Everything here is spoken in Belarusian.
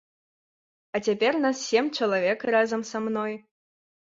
А цяпер нас сем чалавек разам са мной.